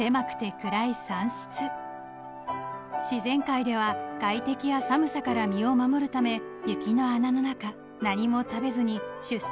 ［自然界では外敵や寒さから身を守るため雪の穴の中何も食べずに出産子育てをします］